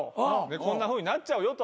こんなふうになっちゃうよと。